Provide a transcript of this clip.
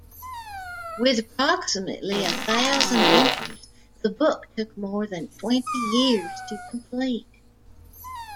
With approximately a thousand entries, the book took more than twenty years to complete.